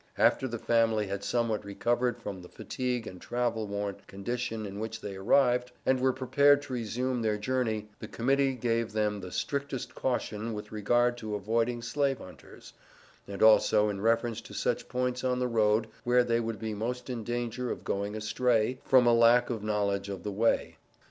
After the family had somewhat recovered from the fatigue and travel worn condition in which they arrived, and were prepared to resume their journey, the Committee gave them the strictest caution with regard to avoiding slave hunters, and also in reference to such points on the road where they would be most in danger of going astray from a lack of knowledge of the way.